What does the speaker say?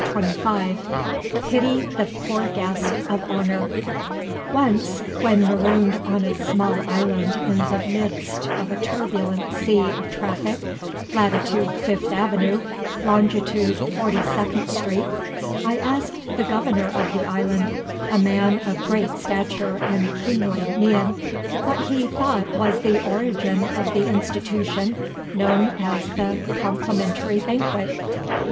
PITY THE POOR GUEST OF HONOR Once when marooned on a small island in the midst of a turbulent sea of traffic, latitude Fifth Avenue, longitude Forty second Street, I asked the governor of the island, a man of great stature and kingly mien, what he thought was the origin of the institution known as the Complimentary Banquet.